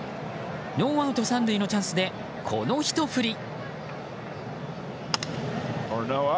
ノーアウト３塁のチャンスでこのひと振り。